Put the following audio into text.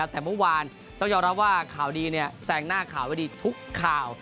แต่เมื่อวานต้องยอมรับว่าข่าวดีแซงหน้าข่าวไว้ดีทุกข่าว